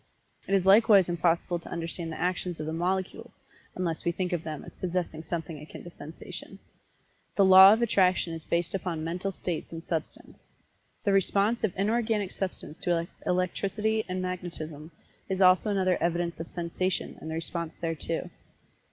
It is likewise impossible to understand the actions of the Molecules, unless we think of them as possessing something akin to Sensation. The Law of Attraction is based upon Mental States in Substance. The response of Inorganic Substance to Electricity and Magnetism is also another evidence of Sensation and the response thereto.